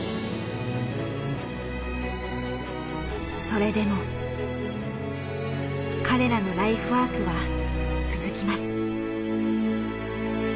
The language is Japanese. それでも彼らのライフワークは続きます。